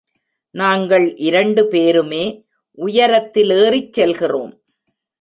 நாங்கள் இரண்டு பேருமே உயரத்தில் ஏறிச் செல்கிறோம்.